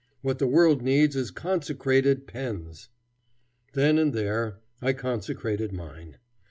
What the world needs is consecrated pens." Then and there I consecrated mine.